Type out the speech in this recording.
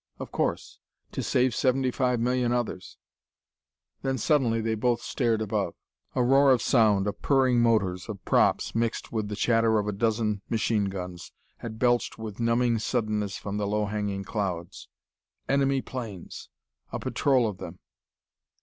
"Of course. To save seventy five million others." Then suddenly they both stared above. A roar of sound of purring motors, of props, mixed with the chatter of a dozen machine guns had belched with numbing suddenness from the low hanging clouds. Enemy planes! A patrol of them!